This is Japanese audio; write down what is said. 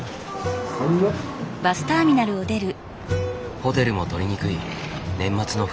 ホテルも取りにくい年末の福岡。